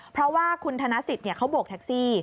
เพราะว่าคุณธนสิทธิ์เขาโบกแท็กซี่